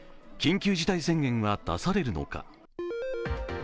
緊急事態宣言は出されるのか？